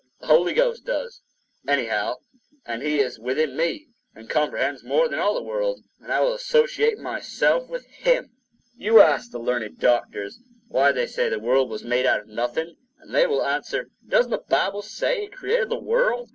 The Holy Ghost does, anyhow, and He is within me, and comprehends more than all the world: and I will associate myself with Him. Meaning of the Word Create[edit] You ask the learned doctors why they say the world was made out of nothing; and they will answer, "Doesn't the Bible say He created the world?"